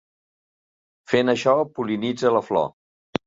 Fent això pol·linitza la flor.